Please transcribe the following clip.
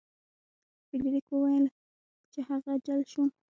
فلیریک وویل چې هغه جل شو.